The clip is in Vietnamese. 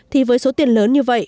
thì với số tiền lớn như vậy